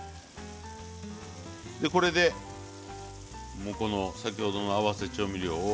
これで先ほどの合わせ調味料を。